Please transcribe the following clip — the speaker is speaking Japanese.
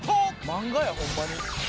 「漫画やホンマに」